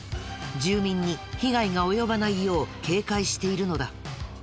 住民に被害が及ばないよう警戒しているのだ。